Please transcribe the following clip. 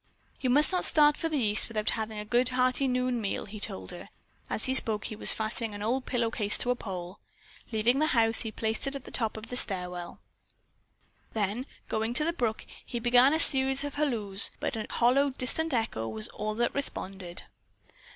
"You must not start for the East without having a good hearty noon meal," he told her. As he spoke he was fastening an old pillow case to a pole. Leaving the house, he placed it at the top of the stairway. Then going to the brook, he began a series of halloos, but a hollow, distant echo was all that responded.